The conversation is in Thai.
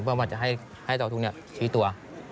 เพราะว่าจะให้ตอนทุกนี้ชี้ตัว